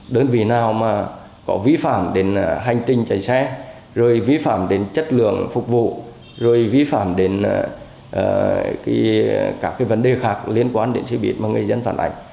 đơn vị nào mà có vi phạm đến hành trình chạy xe rồi vi phạm đến chất lượng phục vụ rồi vi phạm đến các vấn đề khác liên quan đến xe buýt mà người dân phản ảnh